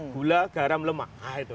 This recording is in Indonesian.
gula garam lemak